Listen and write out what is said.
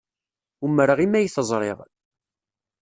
Umreɣ imi ay t-ẓriɣ.